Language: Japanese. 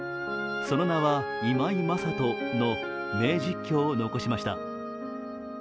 「その名は今井正人」の名実況を残しました。